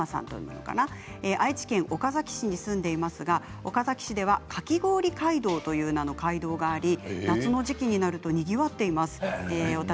愛知県岡崎市に住んでいますが岡崎市にはかき氷か街道という街道があり夏の時期になるとにぎわっています。